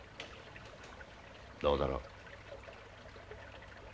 どうだろう？